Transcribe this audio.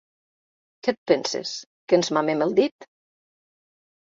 Què et penses, que ens mamem el dit?